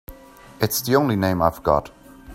It's the only name I've got.